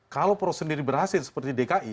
kalau pro sendiri berhasil seperti dki